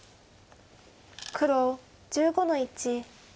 黒１５の一。